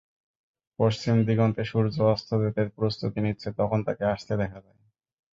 পশ্চিম দিগন্তে সূর্য অস্ত যেতে প্রস্তুতি নিচ্ছে তখন তাকে আসতে দেখা যায়।